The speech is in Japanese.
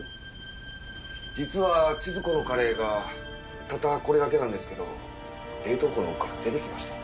実は千鶴子のカレーがたったこれだけなんですけど冷凍庫の奥から出てきまして。